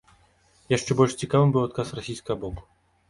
Яшчэ больш цікавым быў адказ расійскага боку.